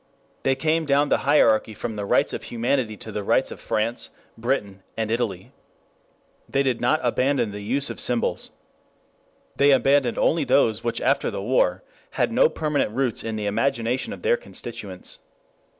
They came down the hierarchy from the Rights of Humanity to the Rights of France, Britain and Italy. They did not abandon the use of symbols. They abandoned only those which after the war had no permanent roots in the imagination of their constituents.